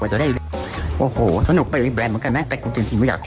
เฮ่ย